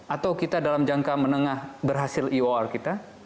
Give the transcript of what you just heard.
atau kita dalam jangka menengah berhasil ior kita